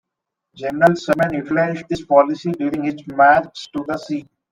General Sherman utilized this policy during his March to the Sea.